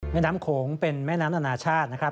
แม่น้ำโขงเป็นแม่น้ำอนาชาตินะครับ